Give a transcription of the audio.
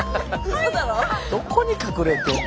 どこに隠れてんの。